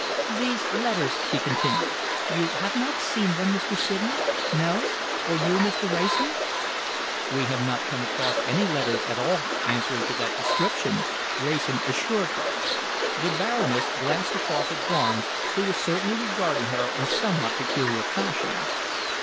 "These letters," she continued, "you have not seen them, Mr. Sydney? No? Or you, Mr. Wrayson?" "We have not come across any letters at all answering to that description," Wrayson assured her. The Baroness glanced across at Barnes, who was certainly regarding her in somewhat peculiar fashion.